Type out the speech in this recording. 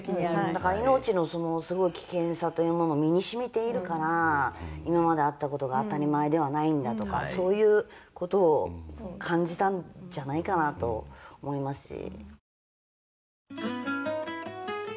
だから命のそのすごい危険さというものを身に染みているから今まであった事が当たり前ではないんだとかそういう事を感じたんじゃないかなと思いますし。